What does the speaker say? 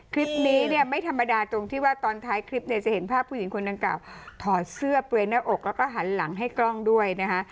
คลิปนี้เนี่ยไม่ธรรมดาตรงที่ว่าตอนท้ายคลิปเนี่ยจะเห็นภาพผู้หญิงคนดังกล่าวถอดเสื้อเปลือยหน้าอกแล้วก็หันหลังให้กล้องด้วยนะคะ